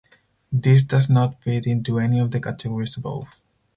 This does not fit into any of the categories above.